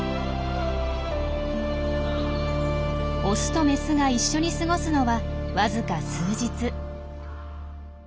オスとメスが一緒に過ごすのはわずか数日。